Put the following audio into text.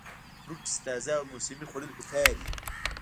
فروټس تازه او موسمي خوړل پکار وي -